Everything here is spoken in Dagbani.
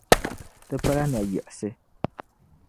Ti pala nayiɣisi.